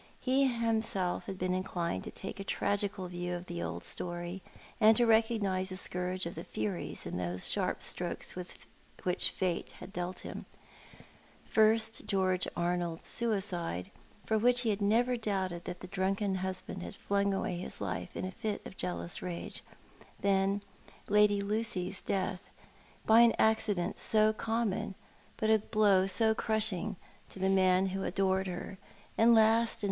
He himself had been inclined to take a tragical view of that old story, and to recognise the scourge of the Furies in those sharp strokes which Fate had dealt him — first, George Arnold's suicide, for he had never doubted that the drunken husband had flung away his life in a fit of jealous rage — then Lady Lucy's death — by an accident so common, but a blow so crushing to the man who adored her — and last and What People said.